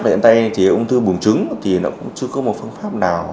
thế nên thì ung thư buồng trứng thì nó cũng chưa có một phương pháp nào